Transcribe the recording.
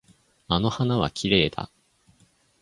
あの花はきれいだ。